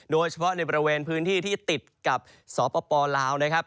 โดยเฉพาะในบริเวณพื้นที่ที่ติดกับสปลาวนะครับ